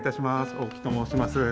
大木と申します。